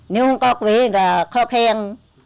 nếu không có quý là kho khen